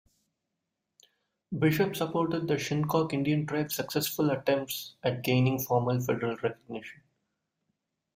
Bishop supported the Shinnecock Indian tribe's successful attempts at gaining formal federal recognition.